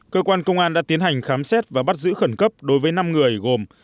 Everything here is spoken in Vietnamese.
cơ quan công an đã tiến hành khám xét và bắt giữ khẩn cấp đối với năm người gồm